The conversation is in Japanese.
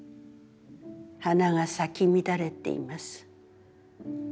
花が咲き乱れています。